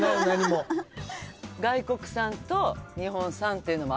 外国産と日本産っていうのもあります。